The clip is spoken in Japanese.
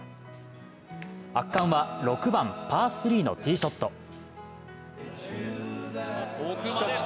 圧巻は６番・パー３のティーショット